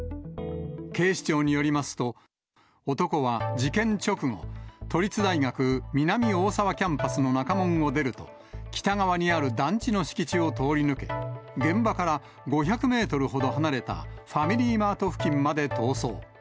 警視庁によりますと、男は事件直後、都立大学南大沢キャンパスの中門を出ると、北側にある団地の敷地を通り抜け、現場から５００メートルほど離れたファミリーマート付近まで逃走。